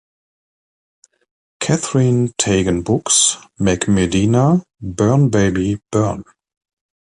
Katherine Tegen Books; Meg Medina, Burn Baby Burn.